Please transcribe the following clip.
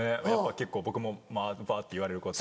結構僕もバって言われること。